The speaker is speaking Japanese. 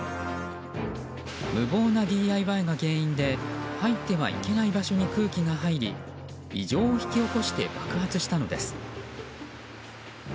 無謀なＤＩＹが原因で入ってはいけない場所に空気が入り異常を引き起こして爆発したのです。